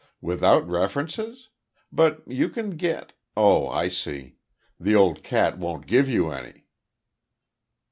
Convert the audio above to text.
"Without references? But you can get Oh, I see. The old cat won't give you any."